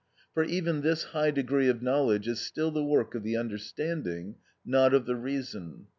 For even this high degree of knowledge is still the work of the understanding, not of the reason.